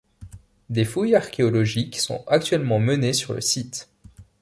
Des fouilles archéologiques sont actuellement menées sur le site.